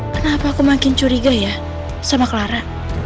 kenapa aku makin curiga ya sama clara